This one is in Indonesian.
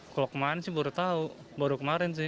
kalau kemarin sih baru tahu baru kemarin sih